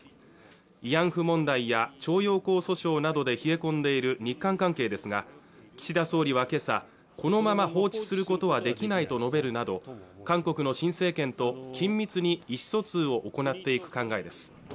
慰安婦問題や徴用工訴訟などで冷え込んでいる日韓関係ですが岸田総理はけさこのまま放置することはできないと述べるなど韓国の新政権と緊密に意思疎通を行っていく考えです